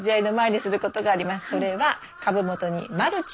それは株元にマルチ。